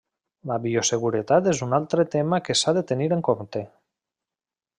La bioseguretat és un altre tema que s'ha de tenir en compte.